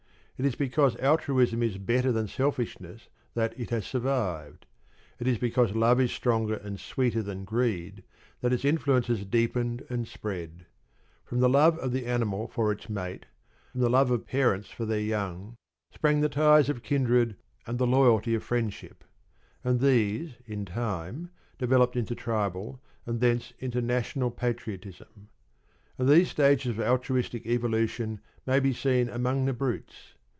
It is because altruism is better than selfishness that it has survived. It is because love is stronger and sweeter than greed that its influence has deepened and spread. From the love of the animal for its mate, from the love of parents for their young, sprang the ties of kindred and the loyalty of friendship; and these in time developed into tribal, and thence into national patriotism. And these stages of altruistic evolution may be seen among the brutes.